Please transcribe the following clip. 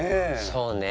そうね